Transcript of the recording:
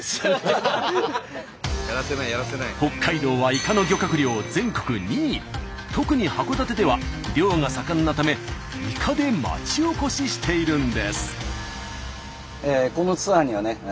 北海道は特に函館では漁が盛んなためイカで町おこししているんです。